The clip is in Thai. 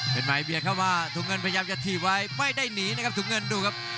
เป็นหมายเบียดเข้าว่าถุงเงินพยายามจะถีบไว้ไม่ได้หนีนะครับถุงเงินดูครับ